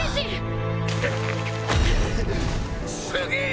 すげえ！